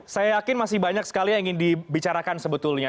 saya yakin masih banyak sekali yang ingin dibicarakan sebetulnya